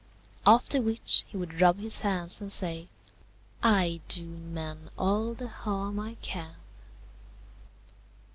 After which, he would rub his hands and say, "I do men all the harm I can."